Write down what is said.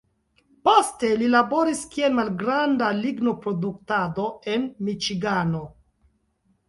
Poste li laboris kiel malgranda lignoproduktado en Miĉigano.